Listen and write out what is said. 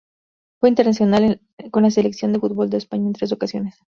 Fue internacional con la Selección de fútbol de España en tres ocasiones.